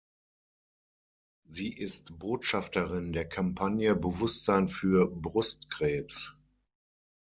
Sie ist Botschafterin der Kampagne "Bewusstsein für Brustkrebs".